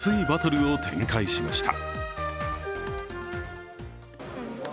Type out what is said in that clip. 熱いバトルを展開しました。